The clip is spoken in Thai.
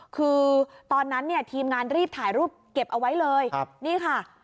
คือตอนนั้นเนี่ยทีมงานรีบถ่ายรูปเก็บเอาไว้เลยนี่ค่ะ